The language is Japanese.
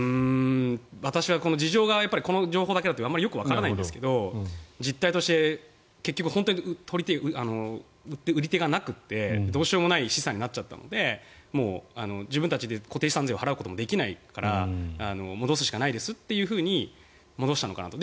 私は事情がこの情報だけだとあまりよくわからないんですけど実態として結局本当に売り手がなくてどうしようもない資産になっちゃったので自分たちで固定資産税を払うこともできないから戻すしかないですって戻したのかなと。